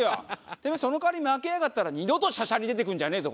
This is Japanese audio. てめえその代わり負けやがったら二度としゃしゃり出てくんじゃねえぞ。